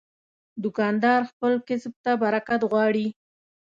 دوکاندار خپل کسب ته برکت غواړي.